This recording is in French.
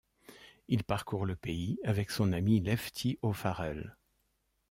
Il parcourt le pays avec son ami Lefty O'Farrell.